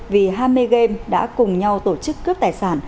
vì hame game đã cùng nhau tổ chức cướp tài sản